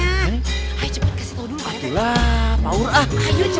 hai cepet kasih tau dulu